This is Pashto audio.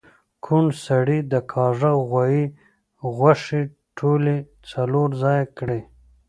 کوڼ سړي د کاږه غوایی غوښې ټولی څلور ځایه کړی